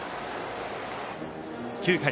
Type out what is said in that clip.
９回。